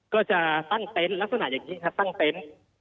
ก็จะสร้างเต้นลักษณะแบบนี้